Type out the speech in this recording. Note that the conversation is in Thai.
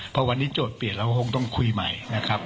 พอวันนี้โจทย์เปลี่ยนเราก็คงต้องคุยใหม่นะครับ